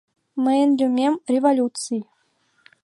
— Мыйын лӱмем — Революций!